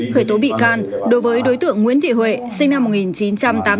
khởi tố bị can đối với đối tượng nguyễn thị huệ sinh năm một nghìn chín trăm tám mươi tám